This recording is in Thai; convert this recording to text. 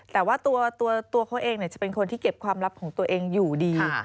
แต่ว่าตัวเขาเองจะเป็นคนที่เก็บความลับของตัวเองอยู่ดี